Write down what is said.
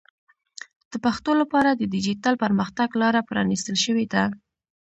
د پښتو لپاره د ډیجیټل پرمختګ لاره پرانیستل شوې ده.